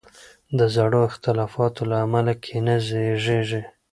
د زړو اختلافاتو له امله کینه زیږیږي.